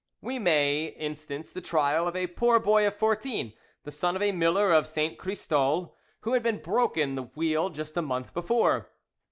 We may instance the trial of a poor boy of fourteen, the son of a miller of Saint Christol who had been broken the wheel just a month before.